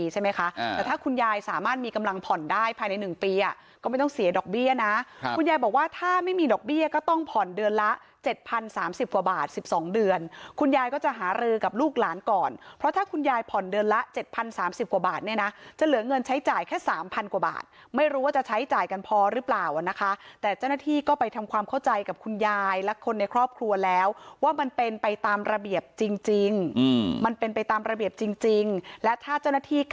เจ็ดพันสามสิบกว่าบาทสิบสองเดือนคุณยายก็จะหารือกับลูกหลานก่อนเพราะถ้าคุณยายผ่อนเดือนละเจ็ดพันสามสิบกว่าบาทเนี้ยนะจะเหลือเงินใช้จ่ายแค่สามพันกว่าบาทไม่รู้ว่าจะใช้จ่ายกันพอหรือเปล่าอะนะคะแต่เจ้าหน้าที่ก็ไปทำความเข้าใจกับคุณยายและคนในครอบครัวแล้วว่ามันเป็นไปตามระเบียบจริงจ